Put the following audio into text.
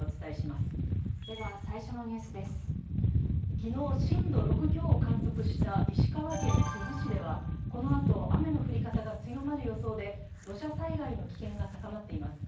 昨日、震度６強を観測した石川県珠洲市ではこのあと雨の降り方が強まる予想で土砂災害の危険が高まっています。